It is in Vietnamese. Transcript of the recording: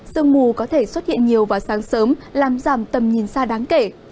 sương mù có thể xuất hiện nhiều vào sáng sớm làm giảm tầm nhìn xa đáng kể